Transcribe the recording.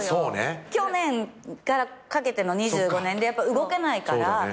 去年からかけての２５年でやっぱ動けないから。